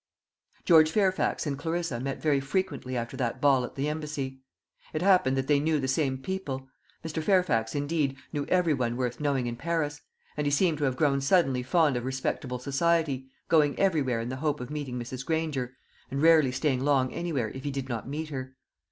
George Fairfax and Clarissa met very frequently after that ball at the Embassy. It happened that they knew the same people; Mr. Fairfax, indeed, knew every one worth knowing in Paris; and he seemed to have grown suddenly fond of respectable society, going everywhere in the hope of meeting Mrs. Granger, and rarely staying long anywhere, if he did not meet her.